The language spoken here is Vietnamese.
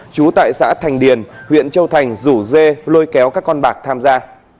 trú tại xã thành điền huyện châu thành rủ dê lôi kéo các con bạc tham gia